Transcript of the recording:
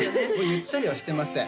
ゆったりはしてません